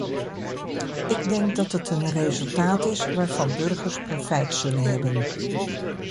Ik denk dat het een resultaat is waarvan burgers profijt zullen hebben.